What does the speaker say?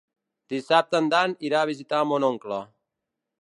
Dissabte en Dan irà a visitar mon oncle.